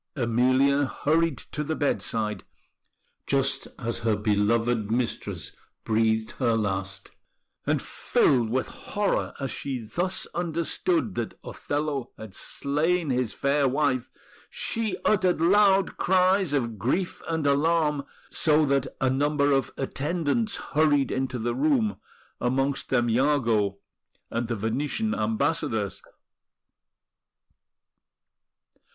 Emilia hurried to the bedside, just as her beloved mistress breathed her last; and filled with horror as she thus understood that Othello had slain his fair wife, she uttered loud cries of grief and alarm, so that a number of attendants hurried into the room, amongst them Iago and the Venetian Ambassadors.